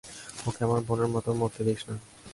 ওকে আমার বোনের মতো মরতে দিস না।